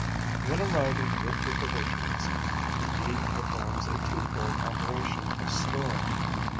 When arriving with her provisions, the Bee performs a twofold operation of storing.